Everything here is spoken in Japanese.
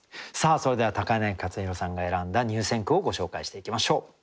それでは柳克弘さんが選んだ入選句をご紹介していきましょう。